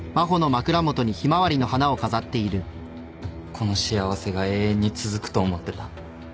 この幸せが永遠に続くと思ってた。